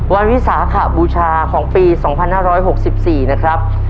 วันวิสาขบูชาของปีสองพันห้าร้อยหกสิบสี่นะครับ